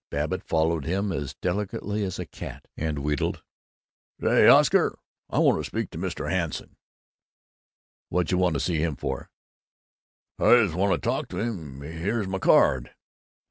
Babbitt followed him as delicately as a cat, and wheedled, "Say, Oscar, I want to speak to Mr. Hanson." "Whajuh wanta see him for?" "I just want to talk to him. Here's my card."